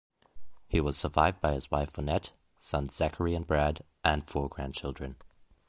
He was survived by his wife Vonette, sons Zachary and Brad, and four grandchildren.